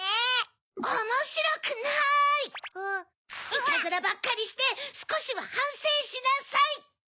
イタズラばっかりしてすこしははんせいしなさい！